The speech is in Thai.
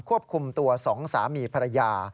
ควบคุมตัว๒สามีภรรยา